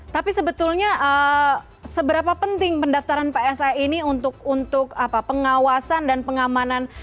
tapi sebetulnya seberapa penting pendaftaran psa ini untuk pengawasan dan pengamanan